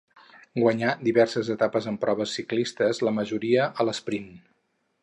Guanyà diverses etapes en proves ciclistes, la majoria, a l'esprint.